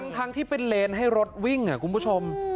ทั้งที่เป็นเลนให้รถวิ่งคุณผู้ชม